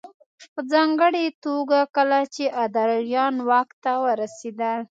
په ځانګړې توګه کله چې ادریان واک ته ورسېدل